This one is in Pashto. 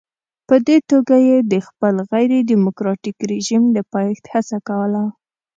په دې توګه یې د خپل غیر ډیموکراټیک رژیم د پایښت هڅه کوله.